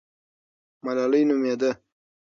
ملالۍ نومېده.